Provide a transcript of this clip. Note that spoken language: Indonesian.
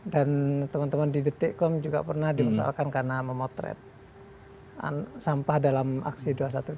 dan teman teman di detikkom juga pernah dipersoalkan karena memotret sampah dalam aksi dua ratus dua belas